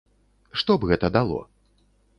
Што б гэта дало?